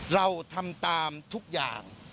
เราทำตามทุกอย่าง